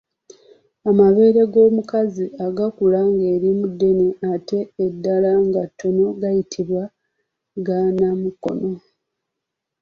Amabeere g’omukazi agakula nga erimu ddene ate ng’eddala ttono gayitibwa ga Namukono.